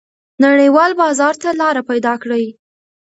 نړیوال بازار ته لار پیدا کړئ.